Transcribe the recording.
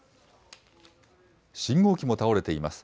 信号機も倒れています。